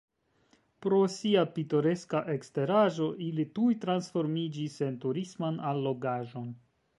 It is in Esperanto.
Pro sia pitoreska eksteraĵo ili tuj transformiĝis en turisman allogaĵon.